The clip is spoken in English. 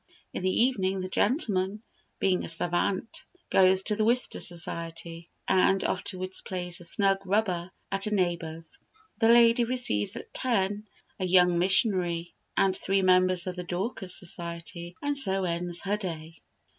In the evening the gentleman, being a savant, goes to the Wister Society, and afterwards plays a snug rubber at a neighbour's. The lady receives at ten a young missionary and three members of the Dorcas Society. And so ends her day."